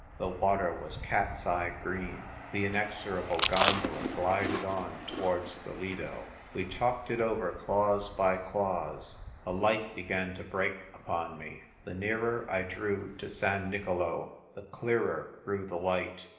The water was cat's eye green. The inexorable gondola glided on towards the Lido. We talked it over clause by clause. A light began to break upon me. The nearer I drew to San Nicolo the clearer grew the light.